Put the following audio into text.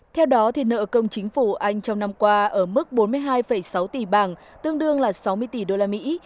theo đó nợ công chính phủ anh trong năm qua ở mức bốn mươi hai sáu tỷ bảng tương đương là sáu mươi tỷ đô la mỹ